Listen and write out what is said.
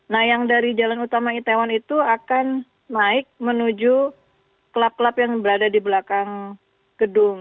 nah yang dari jalan utama itaewon itu akan naik menuju klub klub yang berada di belakang gedung